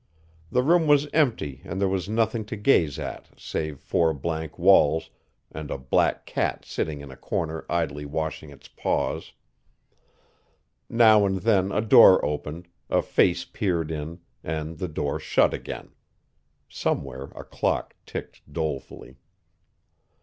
The room was empty and there was nothing to gaze at save four blank walls and a black cat sitting in a corner idly washing its paws. Now and then a door opened, a face peered in and the door shut again. Somewhere a clock ticked dolefully.